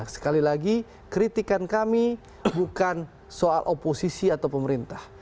sekali lagi kritikan kami bukan soal oposisi atau pemerintah